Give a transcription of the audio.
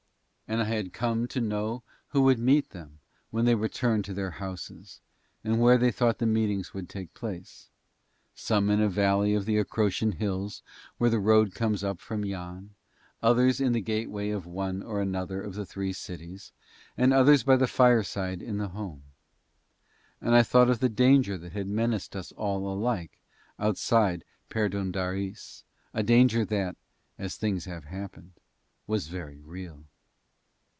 And I had come to know who would meet them when they returned to their homes, and where they thought the meetings would take place, some in a valley of the Acrotian hills where the road comes up from Yann, others in the gateway of one or another of the three cities, and others by the fireside in the home. And I thought of the danger that had menaced us all alike outside Perdóndaris, a danger that, as things have happened, was very real.